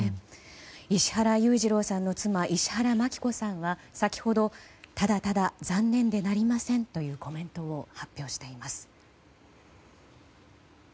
石原裕次郎さんの妻石原まき子さんは先ほどただただ残念でなりませんとコメントを発表しています。